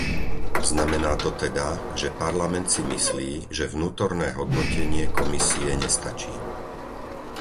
Znamená to teda, že Parlament si myslí, že vnútorné hodnotenie Komisie nestačí.